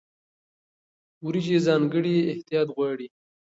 وریجې ځانګړی احتیاط غواړي.